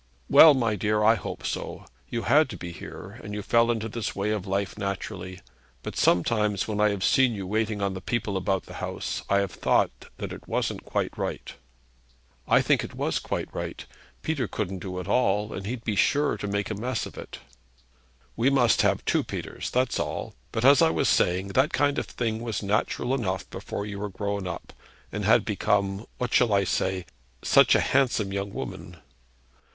'Well, my dear, I hope so. You had to be here, and you fell into this way of life naturally. But sometimes, when I have seen you waiting on the people about the house, I've thought it wasn't quite right.' 'I think it was quite right. Peter couldn't do it all, and he'd be sure to make a mess of it.' 'We must have two Peters; that's all. But as I was saying, that kind of thing was natural enough before you were grown up, and had become what shall I say? such a handsome young woman.'